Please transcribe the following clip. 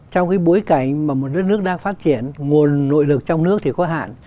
trong bối cảnh một nước nước đang phát triển nguồn nội lực trong nước thì có hạn